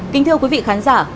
kính thưa quý vị khán giả